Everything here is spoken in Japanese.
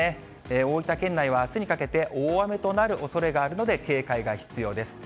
大分県内はあすにかけて大雨となるおそれがあるので、警戒が必要です。